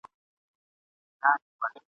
د قسمت پر تورو لارو د ډېوې په انتظار یم !.